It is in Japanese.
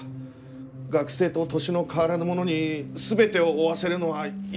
学生と年の変わらぬ者に全てを負わせるのはいささか。